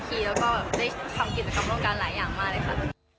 แล้วก็ได้ทำกิจกรรมร่วมกันหลายอย่างมากเลยค่ะ